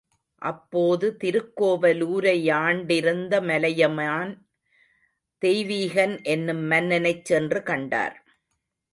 அப்போது திருக்கோவலூரை யாண்டிருந்த மலையமான் தெய்வீகன் என்னும் மன்னனைச் சென்று கண்டார்.